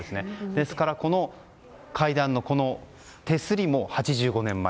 ですから、この階段の手すりも８５年前。